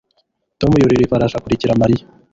tom yurira ifarashi akurikira mariya